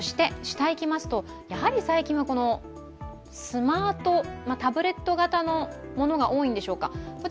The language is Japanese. やはり最近はスマート、タブレット型のものが多いんでしょうか。